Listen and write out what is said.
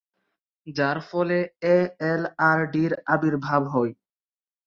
যার ফলে এএলআরডির আবির্ভাব হয়।